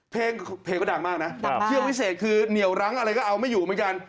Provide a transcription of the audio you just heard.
เพลงเพลงก็ดังมากนะดังมากเชื่อกวิเศษคือเหนี่ยวรั้งอะไรก็เอาไม่อยู่ไหมกัน